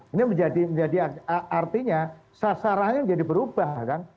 ini menjadi artinya sasarannya menjadi berubah kan